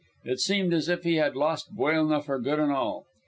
It seemed as if he had lost Buelna for good and all.